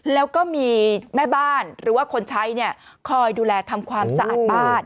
แล้วก็มีแม่บ้านหรือว่าคนใช้คอยดูแลทำความสะอาดบ้าน